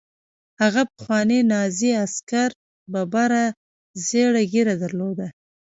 هغه پخواني نازي عسکر ببره زیړه ږیره درلوده